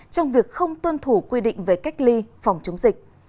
trong việc không tuân thủ quy định về cách ly phòng chống dịch